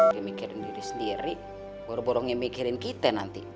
dia mikirin diri sendiri baru baru mikirin kita nanti